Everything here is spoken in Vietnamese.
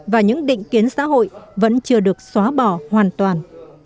và những định kiến xã hội vẫn chưa được xóa bỏ hoàn toàn